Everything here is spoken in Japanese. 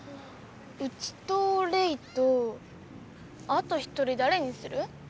うちとレイとあと一人だれにする？